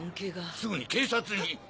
すぐに警察に。